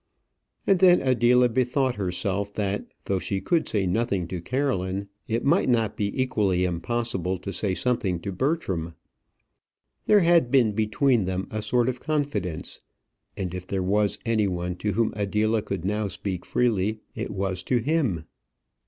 And then Adela bethought herself, that though she could say nothing to Caroline, it might not be equally impossible to say something to Bertram. There had been between them a sort of confidence, and if there was any one to whom Adela could now speak freely, it was to him.